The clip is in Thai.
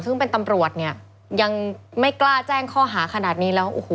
ซึ่งเป็นตำรวจเนี่ยยังไม่กล้าแจ้งข้อหาขนาดนี้แล้วโอ้โห